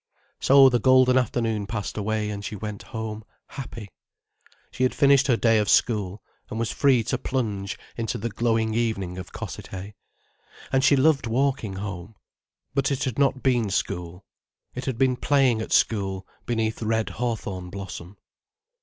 So the golden afternoon passed away and she went home happy. She had finished her day of school, and was free to plunge into the glowing evening of Cossethay. And she loved walking home. But it had not been school. It had been playing at school beneath red hawthorn blossom.